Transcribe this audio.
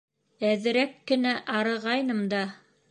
Әҙерәк кенә арығайным да.